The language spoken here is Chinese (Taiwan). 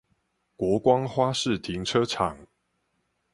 國光花市停車場